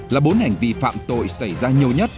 là bốn hành vi phạm tội xảy ra nhiều nhất